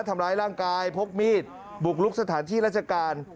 ทำร้ายร่างกายพกมีดบุกลุกสถานที่ราชการ